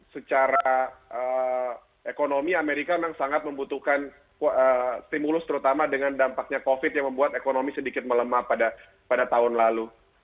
secara ekonomi amerika memang sangat membutuhkan stimulus terutama dengan dampaknya covid yang membuat ekonomi sedikit melemah pada tahun lalu